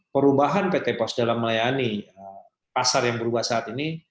perubahan pt pos dalam melayani pasar yang berubah saat ini